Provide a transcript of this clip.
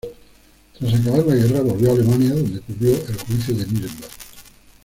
Tras acabar la guerra volvió a Alemania, donde cubrió el juicio de Nuremberg.